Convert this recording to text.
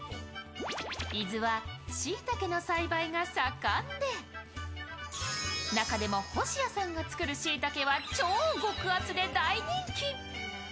伊豆はしいたけの栽培が盛んで、中でも星谷さんが作るしいたけは超極厚で大人気。